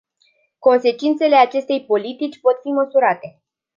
Consecințele acestei politici pot fi măsurate.